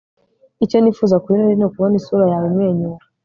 icyo nifuza kuri noheri nukubona isura yawe imwenyura